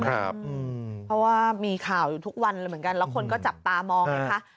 เพราะว่ามีข่าวอยู่ทุกวันเลยเหมือนกันแล้วคนก็จับตามองไงคะ